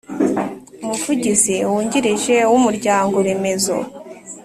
Umuvugizi Wungirije w umuryango remezo